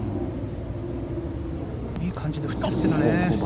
いい感じで振ってたね。